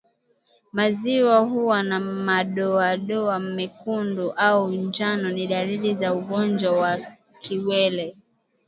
Maziwa kuwa na madoadoa mekundu au njano ni dalili za ugonjwa wa kiwele